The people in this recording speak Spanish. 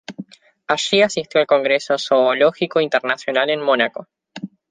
Allí asistió al congreso zoológico internacional en Mónaco.